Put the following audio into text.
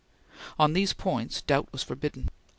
On these points doubt was forbidden.